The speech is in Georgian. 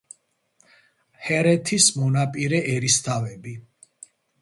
ჰერეთის მონაპირე ერისთავები.